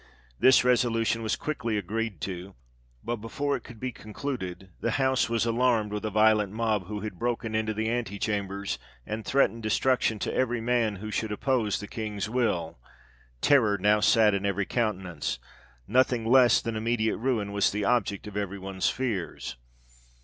This resolution was quickly agreed to ; but before it could be concluded the House was alarmed with a violent mob, who had broke into the anti chambers, and threatened destruction to every man who should oppose the King's will. Terror now sat in every countenance. Nothing less than im mediate ruin was the object of every one's fears.